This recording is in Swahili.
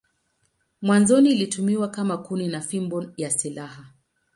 Mwanzoni ilitumiwa kama kuni na fimbo ya silaha.